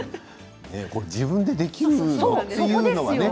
自分でできるの？というのはね。